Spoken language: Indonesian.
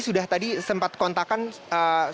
sudah tadi sempat kontak kami